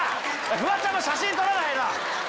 フワちゃんも写真撮らないの！